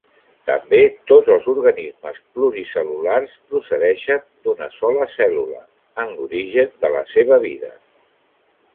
També tots els organismes pluricel·lulars procedeixen d'una sola cèl·lula en l'origen de la seva vida.